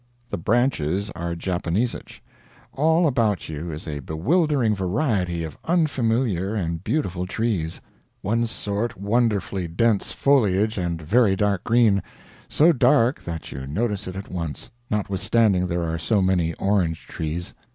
The branches are japanesich. All about you is a bewildering variety of unfamiliar and beautiful trees; one sort wonderfully dense foliage and very dark green so dark that you notice it at once, notwithstanding there are so many orange trees.